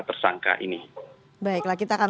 tersangka ini baiklah kita akan